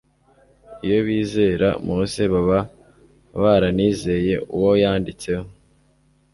Iyo bizera Mose baba baranizeye uwo yanditseho.